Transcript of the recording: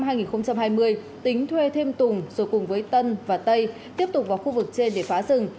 tính thuê thêm tùng rồi cùng với tân và tây tiếp tục vào khu vực trên để phá rừng